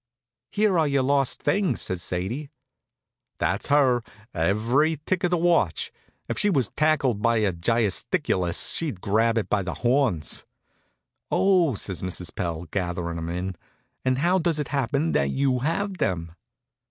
"Here are your lost rings," says Sadie. That's her, every tick of the watch. If she was tackled by a gyasticutus, she'd grab it by the horns. "Oh!" says Mrs. Pell, gatherin' 'em in; "And how does it happen that you have them?"